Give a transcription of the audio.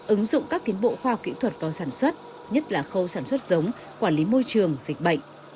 ứng dụng các tiến bộ khoa học kỹ thuật vào sản xuất nhất là khâu sản xuất giống quản lý môi trường dịch bệnh